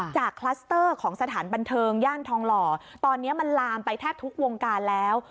คลัสเตอร์ของสถานบันเทิงย่านทองหล่อตอนนี้มันลามไปแทบทุกวงการแล้ว